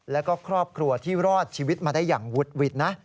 แล้วก็ครอบครัวที่รอดชีวิตมาได้อย่างวุดวิดนะ